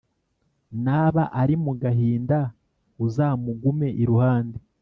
Naba ari mu gahinda, uzamugume iruhande,